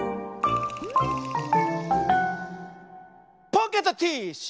ポケットティッシュ！